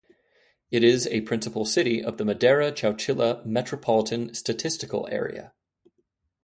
It is a principal city of the Madera-Chowchilla metropolitan statistical area.